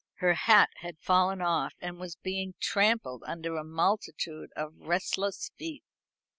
Her hat had fallen off, and was being trampled under a multitude of restless feet.